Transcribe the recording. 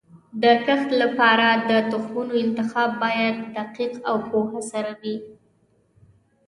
د کښت لپاره د تخمونو انتخاب باید دقیق او پوهه سره وي.